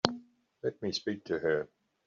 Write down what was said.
Let me speak to her.